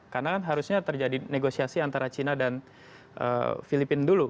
karena kan harusnya terjadi negosiasi antara cina dan filipina dulu